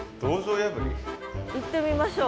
行ってみましょう。